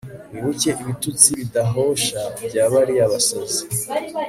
wibuke ibitutsi bidahosha bya bariya basazi